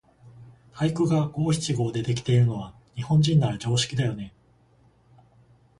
俳句が五七五でできているのは、日本人なら常識だよね。